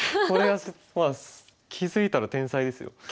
これが気付いたら天才ですよ。